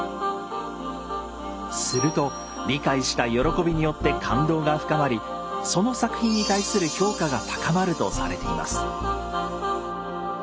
すると理解した喜びによって感動が深まりその作品に対する評価が高まるとされています。